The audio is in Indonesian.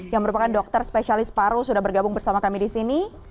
yang merupakan dokter spesialis paru sudah bergabung bersama kami di sini